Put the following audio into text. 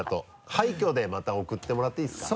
廃墟でまた送ってもらっていいですか？